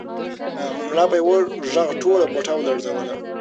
ملا په یوه غږ ټوله کوټه ولړزوله.